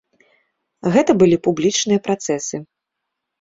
Гэта былі публічныя працэсы.